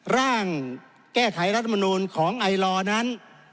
ร่างแก้ไขรัฐมนูลของไอลอนั้น